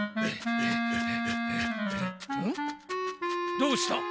どうした？